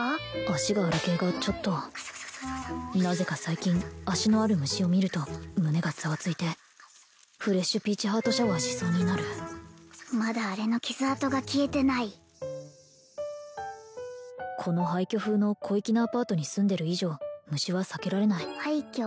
足がある系がちょっとなぜか最近足のある虫を見ると胸がザワついてフレッシュピーチハートシャワーしそうになるまだあれの傷痕が消えてないこの廃虚風の小粋なアパートに住んでる以上虫は避けられない廃虚？